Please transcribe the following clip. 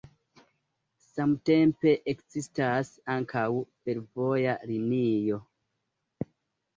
Samtempe ekzistas ankaŭ fervoja linio.